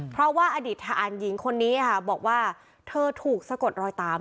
เพราะว่าอดีตทหารหญิงคนนี้ค่ะบอกว่าเธอถูกสะกดรอยตาม